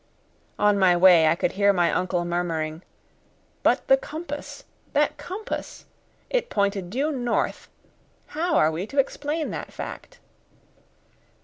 On my way I could hear my uncle murmuring: "But the compass! that compass! It pointed due north. How are we to explain that fact?"